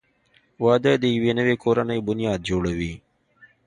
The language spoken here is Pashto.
• واده د یوې نوې کورنۍ بنیاد جوړوي.